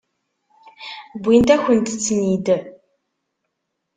Wwint-akent-ten-id.